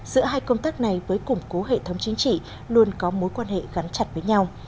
giữa hai công tác này với củng cố hệ thống chính trị luôn có mối quan hệ gắn chặt với nhau